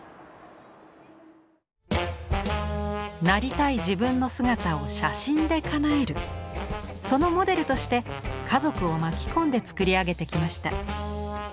なりたい自分の姿を写真でかなえるそのモデルとして家族を巻き込んで作り上げてきました。